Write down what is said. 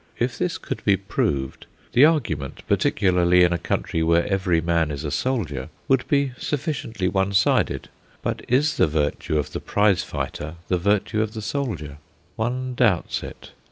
If this could be proved, the argument, particularly in a country where every man is a soldier, would be sufficiently one sided. But is the virtue of the prize fighter the virtue of the soldier? One doubts it.